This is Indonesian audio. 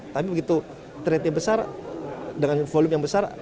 tapi begitu tradenya besar dengan volume yang besar